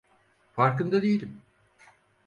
Farkında değilim.